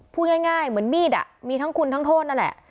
พูดง่ายเหมือนมีดมีทั้งคุณทั้งโทษนั่นแหละ